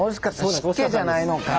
湿気じゃないのか。